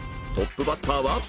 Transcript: トップバッターは。